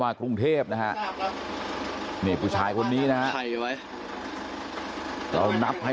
มากรุงเทพธรรมนะครับ